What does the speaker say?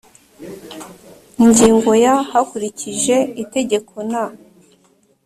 Ingingo ya Hakurikije Itegeko n